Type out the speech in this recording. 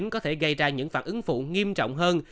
có thể gây ra những phản ứng phụ nghiêm trọng hơn